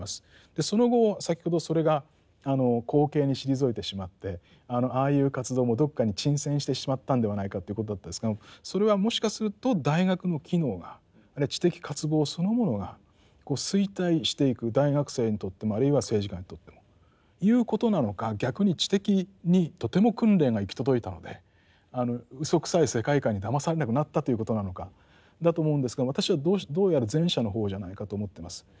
その後先ほどそれが後景に退いてしまってああいう活動もどっかに沈潜してしまったんではないかということだったですけどもそれはもしかすると大学の機能があるいは知的渇望そのものが衰退していく大学生にとってもあるいは政治家にとってもいうことなのか逆に知的にとても訓練が行き届いたのであのうそくさい世界観にだまされなくなったということなのかだと思うんですけども私はどうやら前者の方じゃないかと思ってます。